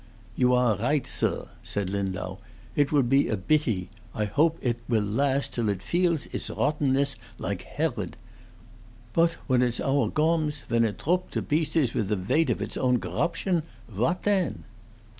"You are righdt, sir," said Lindau. "It would be a bity. I hobe it will last till it feelss its rottenness, like Herodt. Boat, when its hour gomes, when it trope to bieces with the veight off its own gorrubtion what then?"